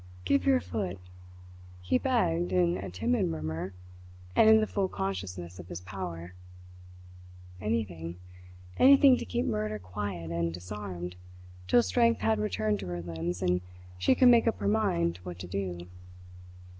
"Give your foot," he begged in a timid murmur, and in the full consciousness of his power. Anything! Anything to keep murder quiet and disarmed till strength had returned to her limbs and she could make up her mind what to do.